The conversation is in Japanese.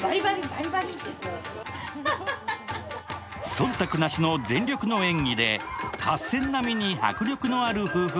忖度なしの全力の演技で合戦並みに迫力のある夫婦